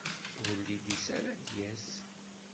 Ur lid-is ara ad d-yas.